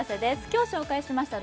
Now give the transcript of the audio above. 今日紹介しました